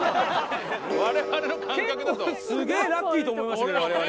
すげえラッキーと思いましたけど我々。